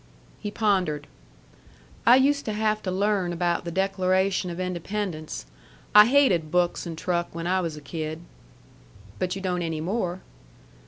He pondered. "I used to have to learn about the Declaration of Independence. I hated books and truck when I was a kid." "But you don't any more."